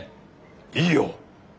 いいよ！